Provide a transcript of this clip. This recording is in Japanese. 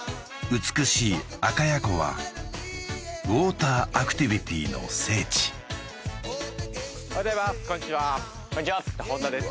美しい赤谷湖はウォーターアクティビティの聖地おはようございますこんにちは本田です